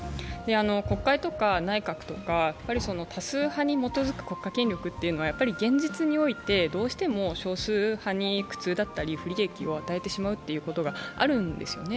国会とか内閣とか、多数派に基づく権力というのが現実においてどうしても少数派に苦痛だったり不利益を与えてしまうということがあるんですね。